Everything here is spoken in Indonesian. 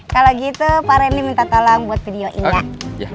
kalau gitu pak reni minta tolong buat video ini ya